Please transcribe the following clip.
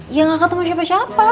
ya gak ketemu siapa siapa